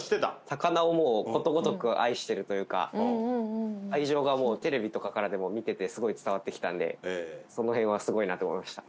魚をもうことごとく愛してるというか愛情がもうテレビとかからでも見ててすごい伝わってきたんでその辺はすごいなと思いました